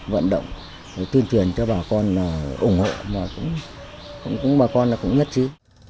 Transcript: vận động tuyên truyền cho bà con ủng hộ mà cũng bà con là cũng nhất chứ